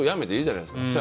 でいいじゃないですか。